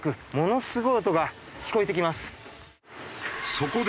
そこで